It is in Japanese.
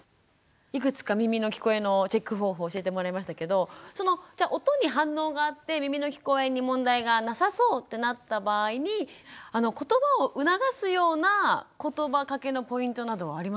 いくつか耳の聞こえのチェック方法を教えてもらいましたけどその音に反応があって耳の聞こえに問題がなさそうってなった場合にことばを促すようなことばかけのポイントなどはありますか？